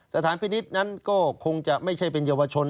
สถานพินิษฐ์นั้นก็คงจะไม่ใช่เป็นเยาวชน